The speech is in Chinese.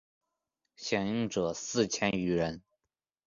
响应者四千余人。